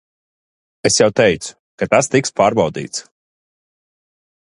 Es jau teicu, ka tas tiks pārbaudīts.